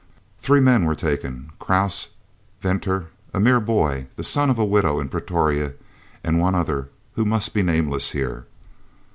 Three men were taken, Krause, Venter (a mere boy, the son of a widow in Pretoria), and one other who must be nameless here.